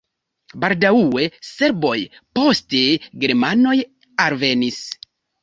Baldaŭe serboj, poste germanoj alvenis.